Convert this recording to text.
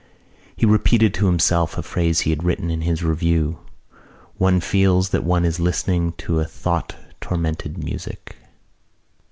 He repeated to himself a phrase he had written in his review: "One feels that one is listening to a thought tormented music."